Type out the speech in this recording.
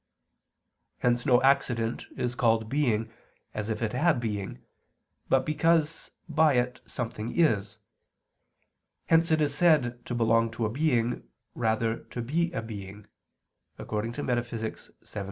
Hence no accident is called being as if it had being, but because by it something is; hence it is said to belong to a being rather to be a being (Metaph. vii, text.